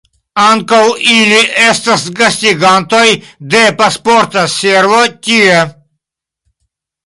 Ankaŭ ili estas gastigantoj de Pasporta Servo tie.